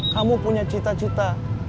kamu punya cita cita